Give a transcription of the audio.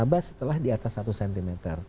bas setelah di atas satu cm